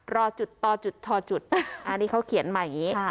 รอจุดต่อจุดทอจุดอันนี้เขาเขียนมาอย่างนี้